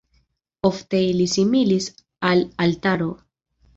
Ofte ili similis al altaro.